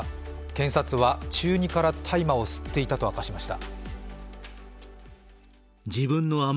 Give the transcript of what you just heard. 検察は中２から大麻を吸っていたと明かしました。